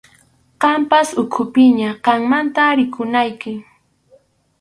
Qamtaq ukhupiña, qammanta rikunayki.